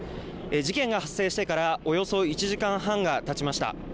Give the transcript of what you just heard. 事件が発生してからおよそ１時間半がたちました。